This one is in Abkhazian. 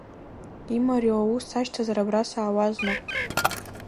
Имариоу аус сашьҭазар, абра саауазма…